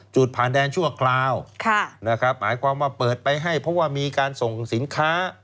จุดผ่านแดนชั่วคราวนะครับหมายความว่าเปิดไปให้เพราะว่ามีการส่งสินค้า